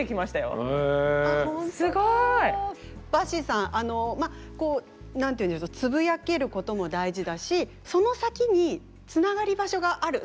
すごい。ばっしーさんあの何て言うんでしょうつぶやけることも大事だしその先につながり場所がある。